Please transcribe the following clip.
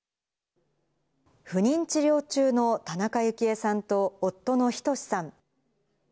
不妊治療中の田中幸恵さんと夫の仁史さん。